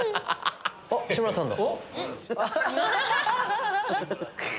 あっ志村さんだ。